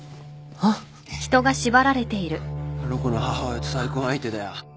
あの子の母親と再婚相手だよ。